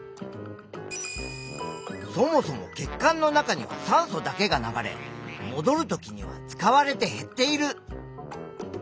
そもそも血管の中には酸素だけが流れもどるときには使われて減っている。